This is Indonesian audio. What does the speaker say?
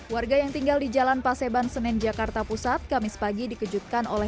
warga yang tinggal di jalan paseban senen jakarta pusat kamis pagi dikejutkan oleh